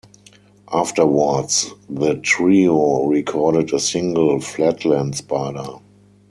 Afterwards the trio recorded a single, "Flatland Spider".